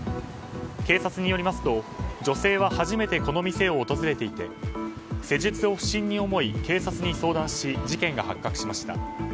警察によりますと女性は初めてこの店を訪れていて施術を不審に思い、警察に相談し事件が発覚しました。